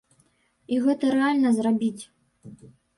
І гэта рэальна зрабіць.